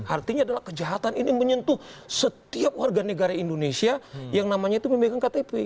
artinya adalah kejahatan ini menyentuh setiap warga negara indonesia yang namanya itu memegang ktp